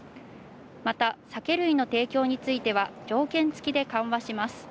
また、酒類の提供については条件付きで緩和します。